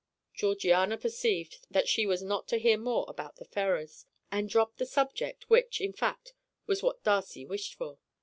Georgiana perceived that she was not to hear more about the Ferrars, and dropped the subject, which, in fact, was what Darcy wished for.